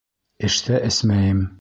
Эштә эсмәйем!